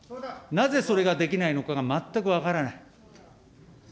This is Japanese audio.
なぜそれができないのかがまったく分からない。